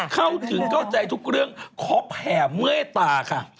เข้าถึงเข้าใจทุกเรื่องขอแผ่เมื่อยตาค่ะ